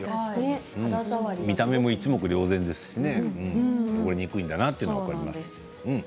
見た目も一目瞭然ですしね汚れにくいんだなと分かります。